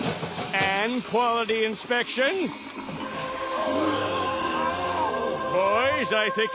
はい。